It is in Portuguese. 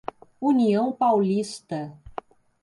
União Paulista